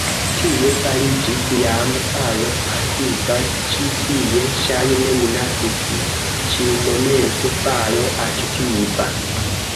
Tie fariĝis jam falo pasiva, ĉi tie ŝajne minacis ĉiumomente falo aktiva.